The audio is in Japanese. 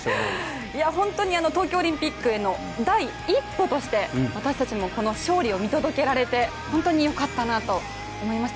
本当に東京オリンピックへの第一歩として私たちもこの勝利を見届けられて本当に良かったなと思いました。